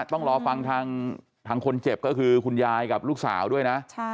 ต้องรอฟังทางคนเจ็บก็คือคุณยายกับลูกสาวด้วยนะ